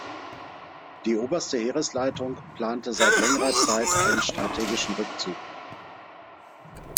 Die Oberste Heeresleitung plante seit längerer Zeit einen strategischen Rückzug.